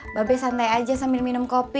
mbak be santai aja sambil minum kopi